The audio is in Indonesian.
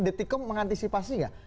detik kamu mengantisipasi gak